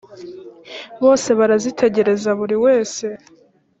bose barazitegereza buri wese